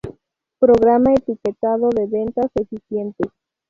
Programa etiquetado de ventanas eficientes